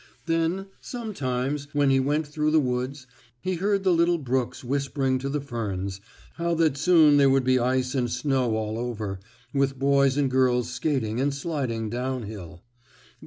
Then, sometimes, when he went through the woods, he heard the little brooks whispering to the ferns, how that soon there would be ice and snow all over, with boys and girls skating and sliding down hill.